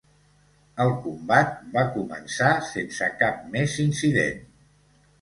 El combat va començar sense cap més incident.